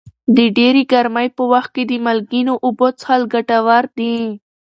د ډېرې ګرمۍ په وخت کې د مالګینو اوبو څښل ګټور دي.